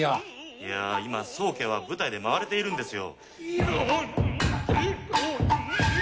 いや今宗家は舞台で舞われているんですよ。